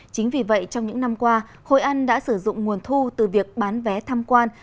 chính vì vậy trong những năm qua hội an đã sử dụng nguồn thu từ việc bán vé tham quan